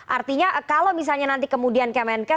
artinya kalau misalnya nanti kemudian kemenke